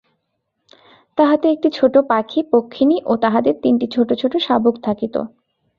তাহাতে একটি ছোট পাখী, পক্ষিণী ও তাহাদের তিনটি ছোট ছোট শাবক থাকিত।